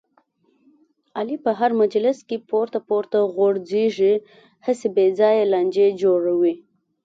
علي په هر مجلس کې پورته پورته غورځېږي، هسې بې ځایه لانجې جوړوي.